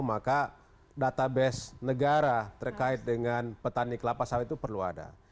maka database negara terkait dengan petani kelapa sawit itu perlu ada